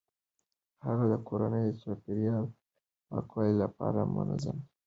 هغې د کورني چاپیریال د پاکوالي لپاره د منظمو پاکولو مهالویش جوړوي.